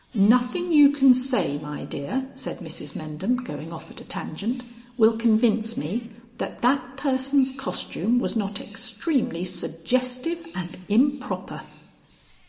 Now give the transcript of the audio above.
"Nothing you can say, my dear," said Mrs Mendham, going off at a tangent, "will convince me that that person's costume was not extremely suggestive and improper."